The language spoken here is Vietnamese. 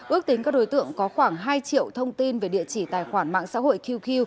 ước tính các đối tượng có khoảng hai triệu thông tin về địa chỉ tài khoản mạng xã hội qq